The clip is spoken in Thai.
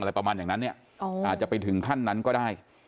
ประมาณอย่างนั้นเนี่ยอาจจะไปถึงขั้นนั้นก็ได้